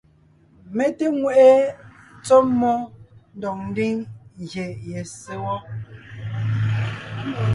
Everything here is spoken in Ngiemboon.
Mé té ŋweʼe tsɔ́ mmó ndɔg ńdiŋ gyè ye tsètsɛ̀ɛ wɔ.